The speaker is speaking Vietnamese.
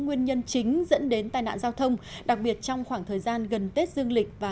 nguyên nhân chính dẫn đến tai nạn giao thông đặc biệt trong khoảng thời gian gần tết dương lịch và